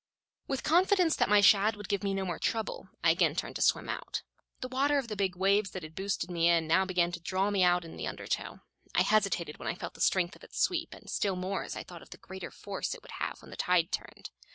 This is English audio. With confidence that my shad would give me no more trouble, I again turned to swim out. The water of the big waves that had boosted me in now began to draw me out in the undertow. I hesitated when I felt the strength of its sweep, and still more as I thought of the greater force it would have when the tide turned.